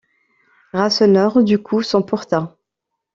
Rasseneur, du coup, s’emporta.